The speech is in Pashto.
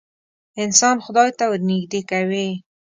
انسان خدای ته ورنیږدې کوې.